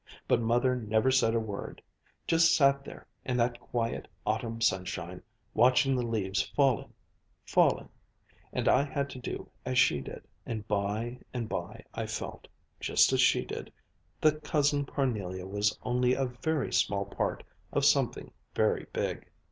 But Mother never said a word just sat there in that quiet autumn sunshine, watching the leaves falling falling and I had to do as she did. And by and by I felt, just as she did, that Cousin Parnelia was only a very small part of something very big.